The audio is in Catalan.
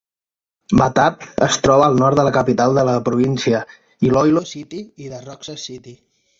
Batad es troba al nord de la capital de la província, Iloilo City, i de Roxas City.